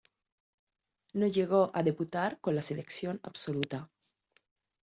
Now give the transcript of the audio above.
No llegó a debutar con la selección absoluta.